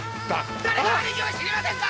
誰か兄貴を知りませんか？